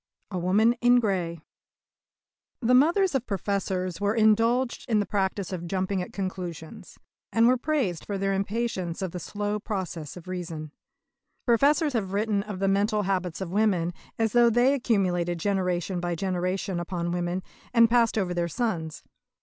A WOMAN IN GREY The mothers of Professors were indulged in the practice of jumping at conclusions, and were praised for their impatience of the slow process of reason. Professors have written of the mental habits of women as though they accumulated generation by generation upon women, and passed over their sons.